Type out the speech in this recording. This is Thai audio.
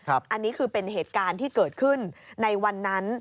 อันนี้คือเป็นเหตุการณ์ที่เกิดขึ้นในวันนั้น